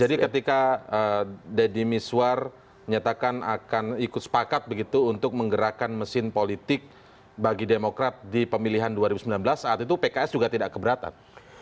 jadi ketika deddy miswar menyatakan akan ikut sepakat begitu untuk menggerakkan mesin politik bagi demokrat di pemilihan dua ribu sembilan belas saat itu pks juga tidak keberatan